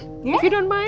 kalau kamu tidak peduli